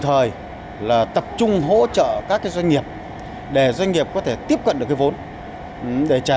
thời là tập trung hỗ trợ các doanh nghiệp để doanh nghiệp có thể tiếp cận được cái vốn để trả